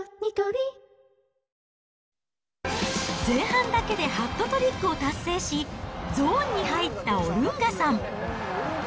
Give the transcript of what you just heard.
前半だけでハットトリックを達成し、ゾーンに入ったオルンガさん。